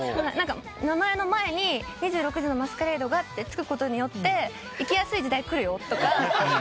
名前の前に「２６時のマスカレイド」って付くことによって生きやすい時代くるよとか。